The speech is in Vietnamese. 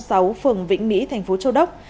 phường vĩnh mỹ thành phố châu đốc